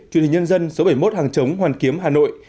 truyền hình nhân dân số bảy mươi một hàng chống hoàn kiếm hà nội